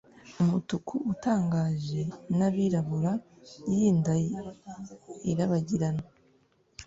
umutuku utangaje nabirabura y'inda ye irabagirana,